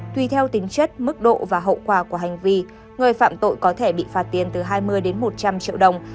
tùy theo tính chất mức độ và hậu quả của hành vi người phạm tội có thể bị phạt tiền từ hai mươi đến một trăm linh triệu đồng